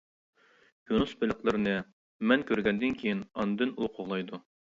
يۇنۇس بېلىقلىرىنى، مەن كۆرگەندىن كېيىن ئاندىن ئۇ قوغلايدۇ.